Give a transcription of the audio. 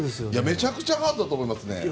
めちゃくちゃハードだと思いますね。